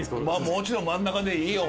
もちろん真ん中でいいよ